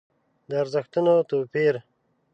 د ارزښتونو توپير.